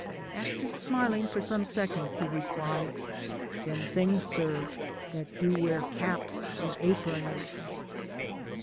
After smiling for some seconds, he replied, " Them things, sir, that do wear caps and aprons.'